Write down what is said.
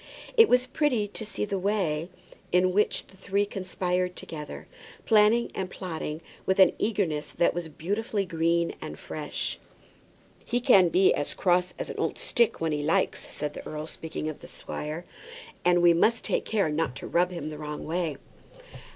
It was pretty to see the way in which the three conspired together, planning and plotting with an eagerness that was beautifully green and fresh. "He can be as cross as an old stick when he likes it," said the earl, speaking of the squire; "and we must take care not to rub him the wrong way."